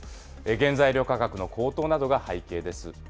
原材料価格の高騰などが背景です。